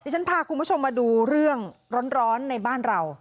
ฉันพาคุณผู้ชมมาดูเรื่องร้อนในบ้านเรา